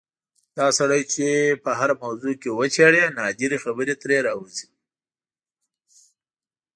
دا سړی چې په هره موضوع کې وچېړې نادرې خبرې ترې راوځي.